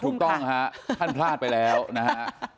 ถูกต้องฮะท่านพลาดไปแล้วนะฮะ